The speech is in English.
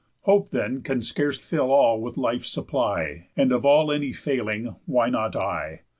Hope then can scarce fill all with life's supply, And of all any failing, why not I?